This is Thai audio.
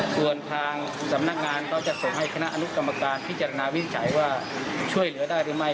ส่วนทางสำนักงานก็จะส่งให้คณะอนุกรรมการพิจารณาวินิจฉัยว่าช่วยเหลือได้หรือไม่